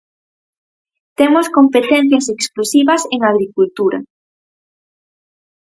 Temos competencias exclusivas en agricultura.